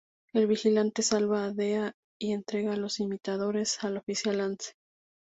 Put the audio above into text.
El Vigilante salva a Thea, y entrega a los imitadores al oficial Lance.